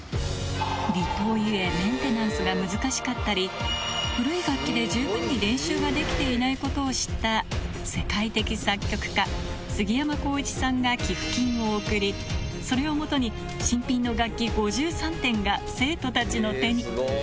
離島ゆえ、メンテナンスが難しかったり、古い楽器で十分に練習ができていないことを知った世界的作曲家、すぎやまこういちさんが寄付金を贈り、それをもとに、新品の楽器５３点が生徒たちの手に。